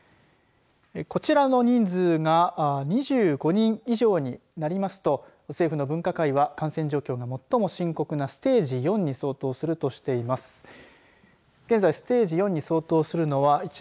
こちらの人数が２５人以上になりますと政府の分科会は感染状況が最も深刻なステージ４に相当するとしています。